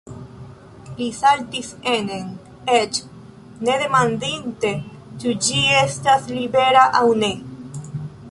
Li saltis enen, eĉ ne demandinte, ĉu ĝi estas libera aŭ ne.